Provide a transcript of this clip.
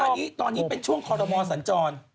อันนี้ค่อนข้างเป็นช่วงคอบบอสสันจร